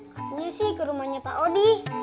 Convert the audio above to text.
katanya sih ke rumahnya pak odi